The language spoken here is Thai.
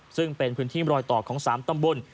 ซึ่งเป็นพื้นที่รอยต่อของ๓ตำบล